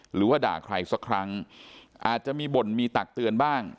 หรือว่าด่าใครสักครั้งอาจจะมีบ่นมีตักเตือนบ้าง